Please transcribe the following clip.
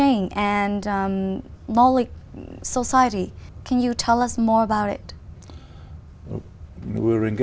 anh đã nói rằng